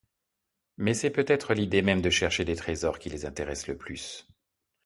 Mais c'est peut-être l’idée même de chercher des trésors qui les intéressent le plus.